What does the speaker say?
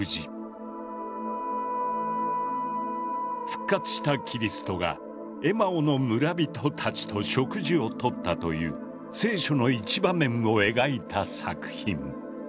復活したキリストがエマオの村人たちと食事をとったという聖書の一場面を描いた作品。